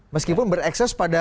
meskipun berekses pada